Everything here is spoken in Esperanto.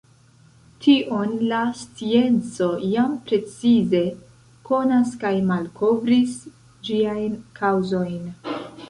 Tion la scienco jam precize konas kaj malkovris ĝiajn kaŭzojn.